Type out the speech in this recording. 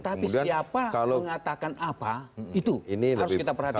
tapi siapa mengatakan apa itu harus kita perhatikan